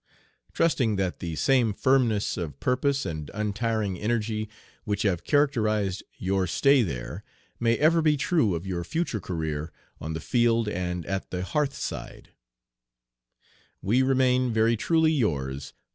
Trusting that the same firmness of purpose and untiring energy, which have characterized your stay there, may ever be true of your future career on the field and at the hearth side, We remain, very truly yours